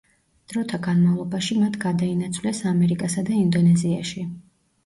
დროთა განმავლობაში მათ გადაინაცვლეს ამერიკასა და ინდონეზიაში.